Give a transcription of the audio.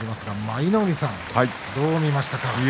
舞の海さん、どうでしたか？